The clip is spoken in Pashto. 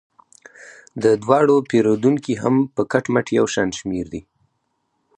د دواړو پیرودونکي هم په کټ مټ یو شان شمیر دي.